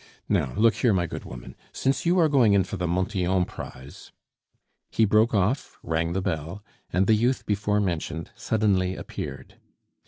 No, look here, my good woman, since you are going in for the Montyon prize " He broke off, rang the bell, and the youth before mentioned suddenly appeared.